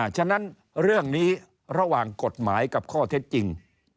ฉะนั้นเรื่องนี้ระหว่างกฎหมายกับข้อเท็จจริง